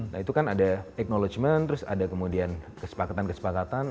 nah itu kan ada teknologi terus ada kemudian kesepakatan kesepakatan